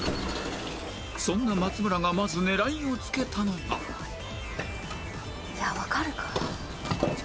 そんな松村がまず狙いをつけたのがいやわかるか。